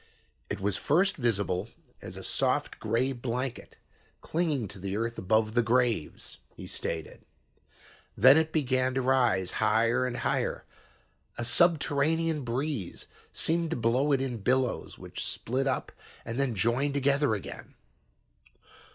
"'It was first visible as a soft gray blanket clinging to the earth above the graves,' he stated. 'Then it began to rise, higher and higher. A subterranean breeze seemed to blow it in billows, which split up and then joined together again.